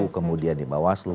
kemudian di bawah seluruh